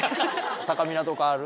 たかみなとかある？